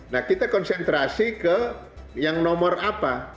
nah kita konsentrasi ke yang nomor apa